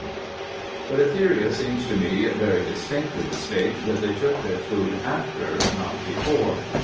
7), but Etheria seems to me very distinctly to state that they took their food after, not before (p.